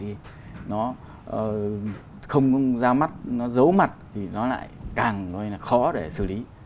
thì nó không ra mắt nó giấu mặt thì nó lại càng khó để xử lý